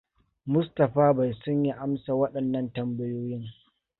Mustapha bai son ya amsa waɗannan tambayoyin.